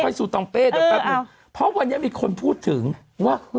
ซูตองเป้เดี๋ยวแป๊บหนึ่งเพราะวันนี้มีคนพูดถึงว่า